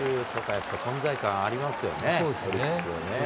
存在感ありますよね。